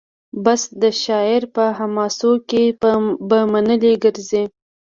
بس د شاعر په حماسو کي به منلي ګرځي